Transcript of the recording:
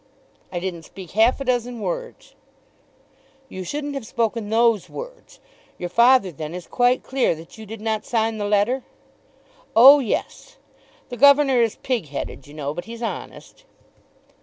"I didn't speak half a dozen words." "You shouldn't have spoken those words. Your father then is quite clear that you did not sign the letter?" "Oh, yes; the governor is pig headed, you know, but he's honest."